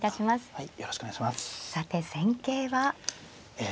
はい。